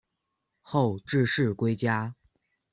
后致仕归家。